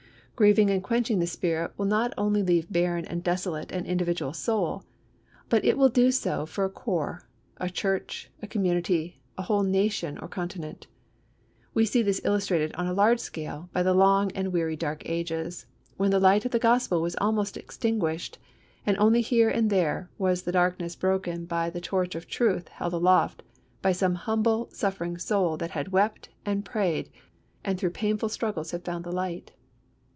Grieving and quenching the Spirit will not only leave barren and desolate an individual soul, but it will do so for a Corps, a church, a community, a whole nation or continent. We see this illustrated on a large scale by the long and weary Dark Ages, when the light of the Gospel was almost extinguished, and only here and there was the darkness broken by the torch of truth held aloft by some humble, suffering soul that had wept and prayed, and through painful struggles had found the light.